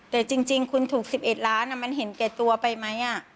แต่จริงคุณถูก๑๑ล้านมันเห็นแก่ตัวไปไหม